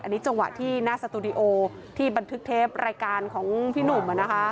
อันนี้จังหวะที่หน้าสตูดิโอที่บันทึกเทปรายการของพี่หนุ่ม